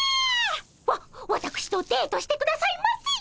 わわたくしとデートしてくださいませ！